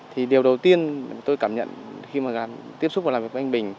thì điều đầu tiên tôi cảm nhận khi mà tiếp xúc và làm việc với anh bình